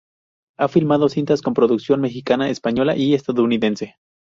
Ha filmado cintas con producción mexicana, española y estadounidense.